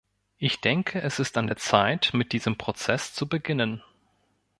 Ich denke, es ist an der Zeit, mit diesem Prozess zu beginnen.